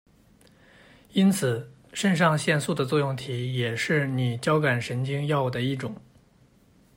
因此肾上腺素的作用体也是拟交感神经药的一种。